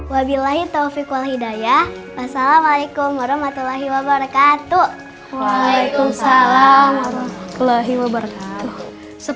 sejahatnya owning dreamamente